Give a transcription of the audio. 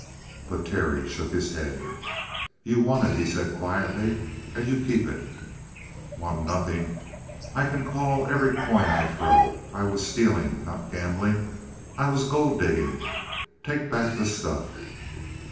But Terry shook his head. "You won it," he said quietly. "And you'll keep it." "Won nothing. I can call every coin I throw. I was stealing, not gambling. I was gold digging! Take back the stuff!"